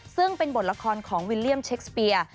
ซึ่งเป็นบทละครของวิลเลี่ยมเช็คสเปียร์